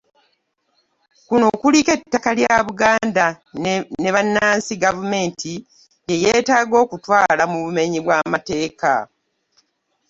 Kuno kuliko ettaka lya Buganda ne bannansi gavumenti ly'etagala okutwala mu bumenyi bw'amateeka